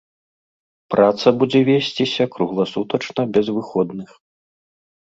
Праца будзе весціся кругласутачна без выходных.